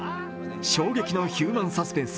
衝撃のヒューマンサスペンス